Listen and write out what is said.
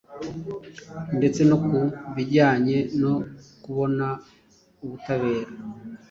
ndetse no ku bijyanye no kubona ubutabera